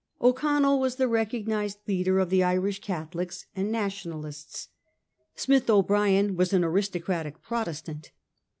O'Connell was the recognised leader of the Irish Catholics and nationalists ; Smith O'Brien was an aristocratic Protestant.